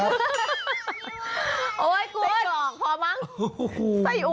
โอ้โหคุณใส่ออกพอปั้ง